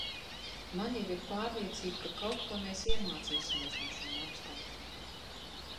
Man jau ir pārliecība, ka kaut ko mēs iemācīsimies no šiem apstākļiem.